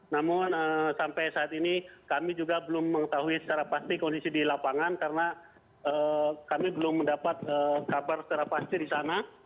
namun sampai saat ini kami juga belum mengetahui secara pasti kondisi di lapangan karena kami belum mendapat kabar secara pasti di sana